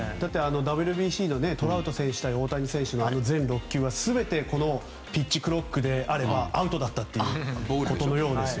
ＷＢＣのトラウト選手対大谷選手の全６球は全てこのピッチクロックであればアウトだったということのようなんです。